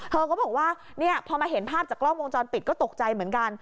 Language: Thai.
เธอก็บอกว่าเนี่ยพอมาเห็นภาพจากกล้องวงจรปิดก็ตกใจเหมือนกัน